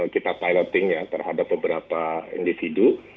kita piloting ya terhadap beberapa individu